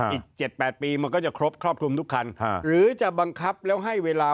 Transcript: อีก๗๘ปีมันก็จะครบครอบคลุมทุกคันหรือจะบังคับแล้วให้เวลา